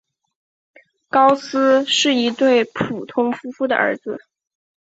高斯是一对普通夫妇的儿子。